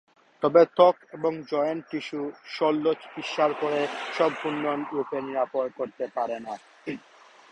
তবে ত্বক এবং জয়েন্ট টিস্যু শল্য চিকিৎসার পরে সম্পূর্ণরূপে নিরাময় করতে পারে না।